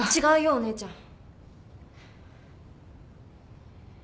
お姉ちゃん。